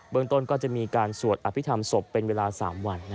เมืองต้นก็จะมีการสวดอภิษฐรรมศพเป็นเวลา๓วัน